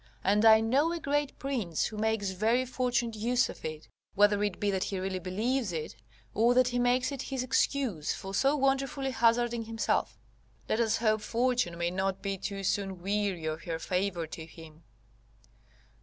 And I know a great prince who makes very fortunate use of it, whether it be that he really believes it, or that he makes it his excuse for so wonderfully hazarding himself: let us hope Fortune may not be too soon weary of her favour to him.